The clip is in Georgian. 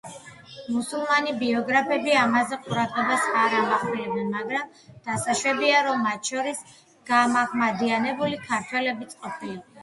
მუსულმანი ბიოგრაფები ამაზე ყურადღებას არ ამახვილებენ, მაგრამ დასაშვებია, რომ მათ შორის გამაჰმადიანებული ქართველებიც ყოფილიყვნენ.